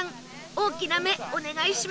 大きな目お願いします